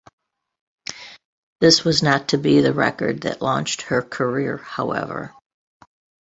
This was not to be the record that launched her career, however.